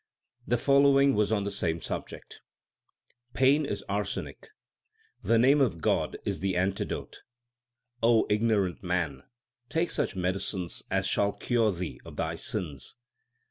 2 The following was on the same subject : Pain is arsenic, the name of God is the antidote. ignorant man, take such medicines As shall cure thee of thy sins.